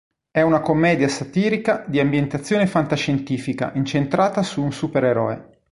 È una commedia satirica di ambientazione fantascientifica incentrata su un supereroe.